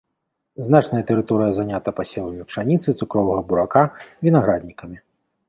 Значная тэрыторыя занята пасевамі пшаніцы, цукровага бурака, вінаграднікамі.